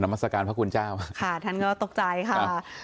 มัศกาลพระคุณเจ้าค่ะท่านก็ตกใจค่ะ